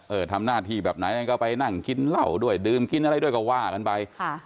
ทำหน้าที่แบบไหนนั่นก็ไปนั่งกินเหล้าด้วยดื่มกินอะไรด้วยก็ว่ากันไปค่ะ